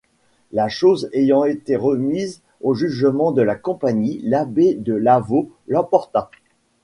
La chose ayant été remise au jugement de la compagnie, l'abbé de Lavau l'emporta.